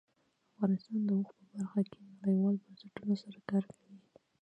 افغانستان د اوښ په برخه کې نړیوالو بنسټونو سره کار کوي.